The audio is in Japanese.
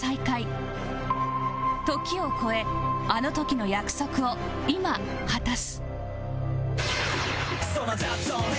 時を越えあの時の約束を今果たす